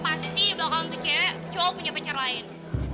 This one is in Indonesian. pasti belakang tuh cewek cowok punya pacar lain